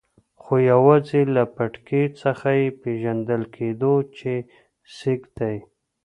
خو یوازې له پټکي څخه یې پېژندل کېدو چې سېک دی.